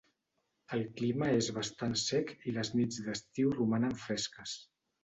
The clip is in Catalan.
El clima és bastant sec i les nits d'estiu romanen fresques.